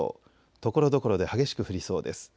ところどころで激しく降りそうです。